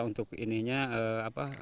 untuk ininya apa